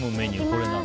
これなの？